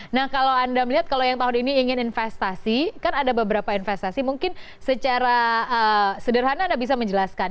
nah kalau anda melihat kalau yang tahun ini ingin investasi kan ada beberapa investasi mungkin secara sederhana anda bisa menjelaskan